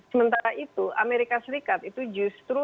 sementara itu amerika serikat itu justru seolah olah mereka retreat